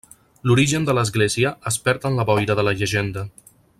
L'origen de l'església es perd en la boira de la llegenda.